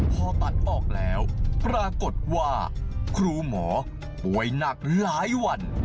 พอตัดออกแล้วปรากฏว่าครูหมอป่วยหนักหลายวัน